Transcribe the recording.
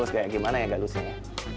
gimana ya gak lusih ya